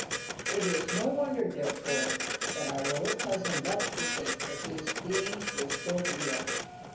It is no wonder, therefore, that our little cousin loved to think that these beings were still real.